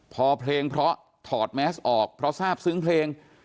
พอเพลงเพราะถอดแมสออกเพราะทราบซึ้งเพลง